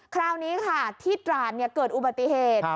คราวนี้ค่ะที่ตราดเกิดอุบัติเหตุ